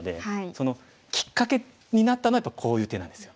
そのきっかけになったのはやっぱりこういう手なんですよ。